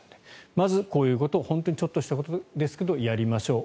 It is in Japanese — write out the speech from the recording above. まずこういうことを本当にちょっとしたことですがやりましょう。